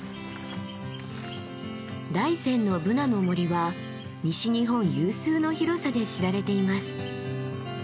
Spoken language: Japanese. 大山のブナの森は西日本有数の広さで知られています。